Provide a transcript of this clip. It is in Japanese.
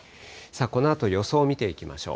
このあと予想見ていきましょう。